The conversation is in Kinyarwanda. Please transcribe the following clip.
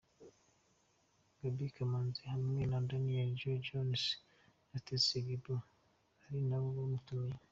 Gaby Kamanzi hamwe na Daniel Dee Jones na Stacy Egbo ari nabo bamutumiye.